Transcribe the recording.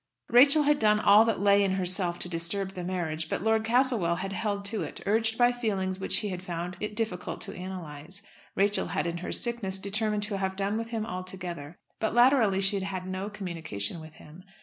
Rachel had done all that lay in herself to disturb the marriage, but Lord Castlewell had held to it, urged by feelings which he had found it difficult to analyse. Rachel had in her sickness determined to have done with him altogether, but latterly she had had no communication with him.